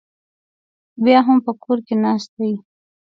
بیا هم په کور ناست دی